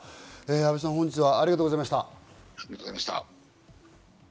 安倍さん、本日はありがとうございました。